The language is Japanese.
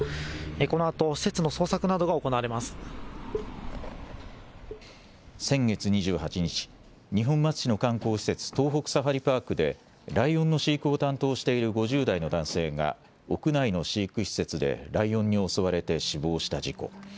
このあと施設の捜索などが行われ先月２８日、二本松市の観光施設、東北サファリパークで、ライオンの飼育を担当している５０代の男性が屋内の飼育施設でライオンに襲われて死亡した事故。